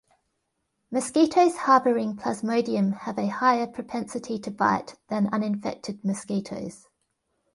Mosquitoes harboring "Plasmodium" have a higher propensity to bite than uninfected mosquitoes.